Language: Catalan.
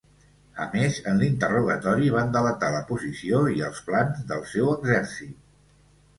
A més, en l’interrogatori van delatar la posició i els plans del seu exèrcit.